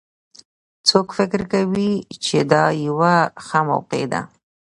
څوک فکر کوي چې دا یوه ښه موقع ده